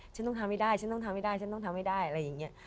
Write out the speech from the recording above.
ฉันต้องทำให้ได้ฉันต้องทำให้ได้ฉันต้องทำให้ได้อะไรอย่างนี้